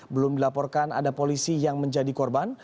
belum dilaporkan ada polisi yang menjadi korban